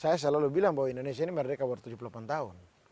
karena saya selalu bilang bahwa indonesia ini merdeka baru tujuh puluh delapan tahun